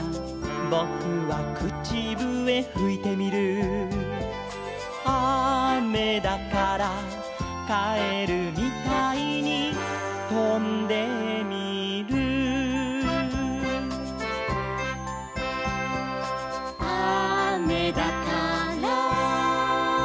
「ぼくはくちぶえふいてみる」「あめだから」「かえるみたいにとんでみる」「あめだから」